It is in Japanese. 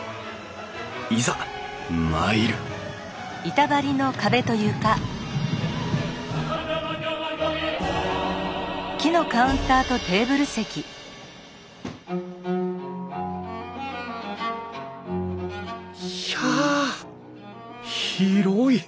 いざ参るヒャ広い。